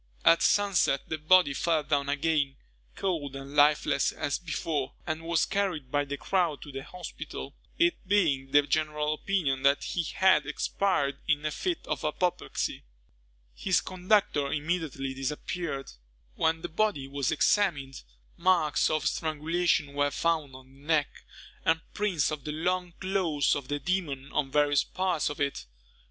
At sunset, the body fell down again, cold and lifeless as before, and was carried by the crowd to the hospital, it being the general opinion that he had expired in a fit of apoplexy. His conductor immediately disappeared. When the body was examined, marks of strangulation were found on the neck, and prints of the long claws of the demon on various parts of it.